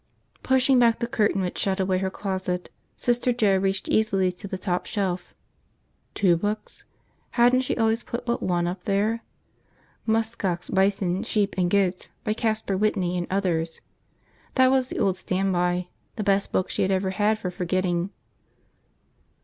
Pushing back the curtain which shut away her closet, Sister Joe reached easily to the top shelf. Two books? Hadn't she always had but one up here? Muskox, Bison, Sheep, and Goats, by Caspar Whitney and Others. That was the old stand by, the best book she had ever had for forgetting.